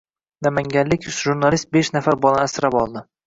Namanganlik jurnalistbeshnafar bolani asrab oldi